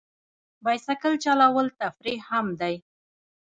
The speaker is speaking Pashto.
بایسکل چلول تفریح هم دی.